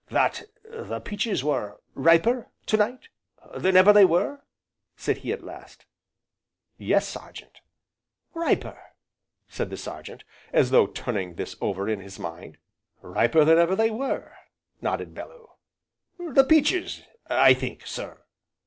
"'That the peaches were riper, to night, than ever they were?'" said he at last. "Yes, Sergeant." "Riper!" said the Sergeant, as though turning this over in his mind. "Riper than ever they were!" nodded Bellew. "The peaches, I think, sir?"